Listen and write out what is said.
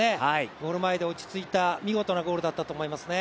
ゴール前で落ち着いた見事なゴールだったと思いますね。